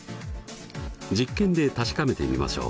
実験で確かめてみましょう。